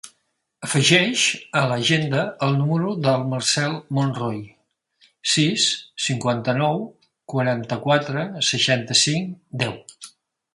Afegeix a l'agenda el número del Marcèl Monroy: sis, cinquanta-nou, quaranta-quatre, seixanta-cinc, deu.